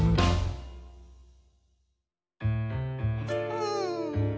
うん。